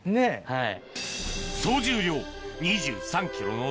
はい。